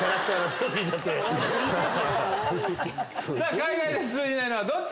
海外で通じないのはどっち？